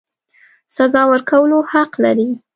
سزا ورکولو حق لري.